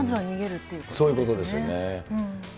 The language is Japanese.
そういうことですよね。